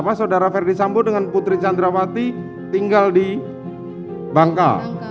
saudara ferdi sambo dengan putri candrawati tinggal di bangka